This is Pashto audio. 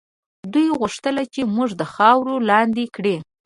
دوی غوښتل چې موږ د خاورو لاندې کړي.